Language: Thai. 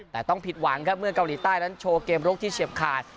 แต่ต้องผิดหวังครับเมื่อเกาหลีใต้นั้นโชว์เกมรุกที่เฉียบขาด